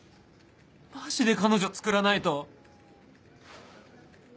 マジで彼女つくらないと